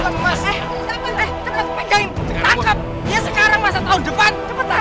kedatang masa tahun depan